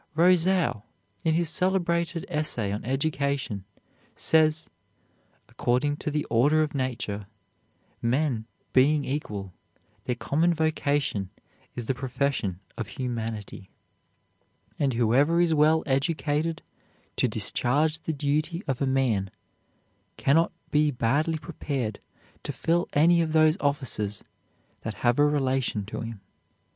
Rousseau, in his celebrated essay on education, says; "According to the order of nature, men being equal, their common vocation is the profession of humanity; and whoever is well educated to discharge the duty of a man can not be badly prepared to fill any of those offices that have a relation to him.